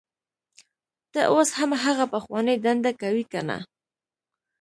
ته اوس هم هغه پخوانۍ دنده کوې کنه